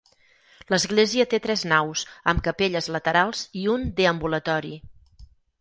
L'església té tres naus amb capelles laterals i un deambulatori.